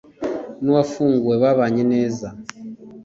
n’uwafunguwe babanye neza